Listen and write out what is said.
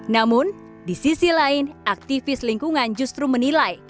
namun di sisi lain aktivis lingkungan justru menilai